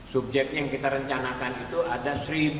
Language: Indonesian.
subjek yang kita rencanakan itu ada satu enam ratus dua puluh